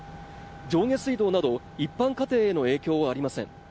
上下水道など一般家庭への影響はありません